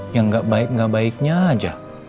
yang gak baik nggak baiknya aja